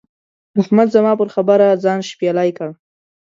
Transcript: احمد زما پر خبره ځان شپېلی کړ.